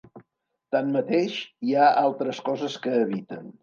Tanmateix, hi ha altres coses que eviten.